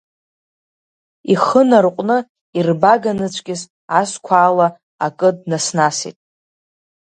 Ихы нарҟәны ирбага нацәкьыс азқәа ала акы днаснасит…